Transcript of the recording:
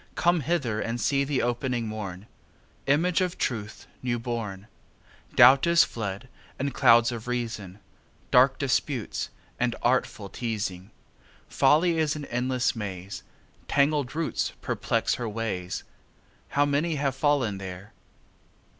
come hither And see the opening morn, Image of Truth new born. Doubt is fled, and clouds of reason, Dark disputes and artful teazing. Folly is an endless maze; Tangled roots perplex her ways; How many have fallen there!